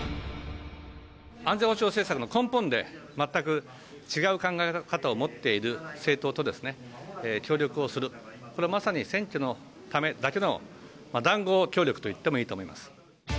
安全保障政策の根本で、全く違う考え方を持っている政党と協力をする、これはまさに選挙のためだけの談合協力といってもいいと思います。